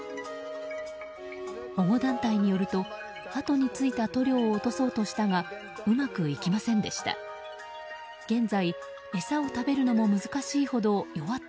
保護団体によるとハトについた塗料を落とそうとしたがうまくいきませんでした。